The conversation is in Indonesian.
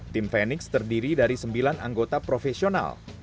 tim fenix terdiri dari sembilan anggota profesional